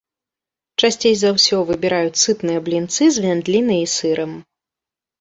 Часцей за ўсё выбіраюць сытныя блінцы з вяндлінай і сырам.